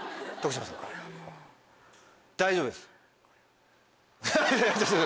大丈夫です。